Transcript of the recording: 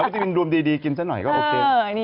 ดูดีกินเสียหน่อยก็โอเค